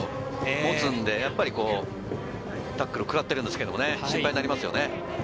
持つんで、タックルをくらってるんですけど、心配になりますよね。